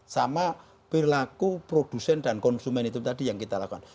sama perilaku produsen dan konsumen itu tadi yang kita lakukan